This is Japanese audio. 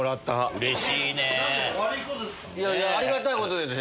ありがたいことですよ